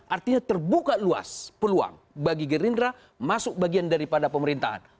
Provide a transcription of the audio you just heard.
artinya terbuka luas peluang bagi gerindra masuk bagian daripada pemerintahan